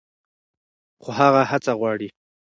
خو هڅه غواړي.